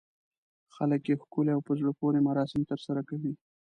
خلک یې ښکلي او په زړه پورې مراسم ترسره کوي.